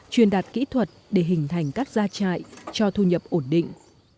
truyền đạt kỹ thuật để hình thành các gia trại cho thu nhập ổn định